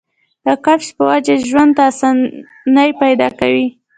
د کشف پۀ وجه ژوند ته اسانۍ پېدا کوي